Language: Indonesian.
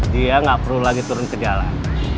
dia nggak perlu lagi turun ke jalan